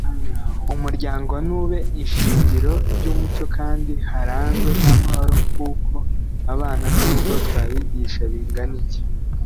Umuryango nube ishingiro ry’Umuco kandi harangwe n’amahoro kuko abana nubwo twabigisha bingana iki